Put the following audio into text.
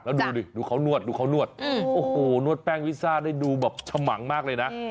แล้วดูดิดูเขานวดดูเขานวดโอ้โหนวดแป้งลิซ่าได้ดูแบบฉมังมากเลยนะ